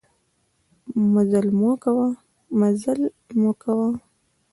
مزلمو کاوه.